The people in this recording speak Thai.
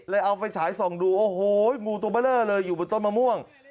เลยเอาไปฉายส่องดูโอ้โหงูตัวเบลอเลยอยู่บนต้นมะม่วง